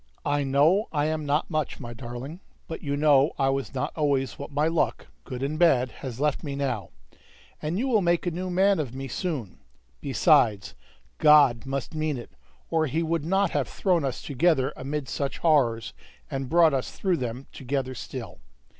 "I know I am not much, my darling; but you know I was not always what my luck, good and bad, has left me now, and you will make a new man of me so soon! Besides, God must mean it, or He would not have thrown us together amid such horrors, and brought us through them together still.